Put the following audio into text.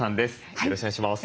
よろしくお願いします。